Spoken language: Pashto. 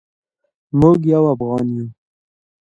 موږ یو افغان یو.